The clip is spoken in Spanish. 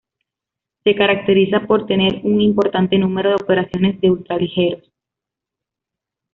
Se caracteriza por tener un importante número de operaciones de ultraligeros.